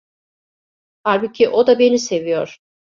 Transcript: Halbuki o da beni seviyor.